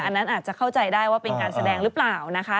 อันนั้นอาจจะเข้าใจได้ว่าเป็นการแสดงหรือเปล่านะคะ